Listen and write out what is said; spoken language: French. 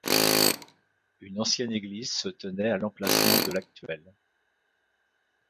Une ancienne église se tenait à l'emplacement de l'actuelle.